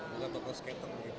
bukan toko skater